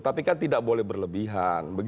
tapi kan tidak boleh berlebihan